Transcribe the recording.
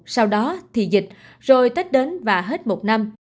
sau đó thì dịch rồi tết đến và hết một năm